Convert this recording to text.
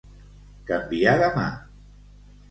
Canviar de mà.